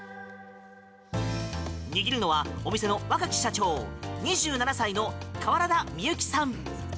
握るのは、お店の若き社長２７歳の川原田美雪さん。